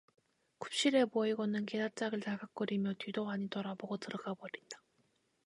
굽실해 보이고는 게다짝을 달각거리며 뒤도 아니 돌아다보고 들어가 버린다.